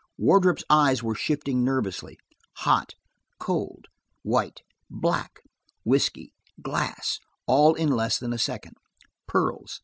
Wardrop's eyes were shifting nervously. "Hot." "Cold." "White." "Black." "Whiskey." "Glass," all in less than a second. "Pearls."